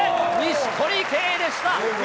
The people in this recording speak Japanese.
錦織圭でした。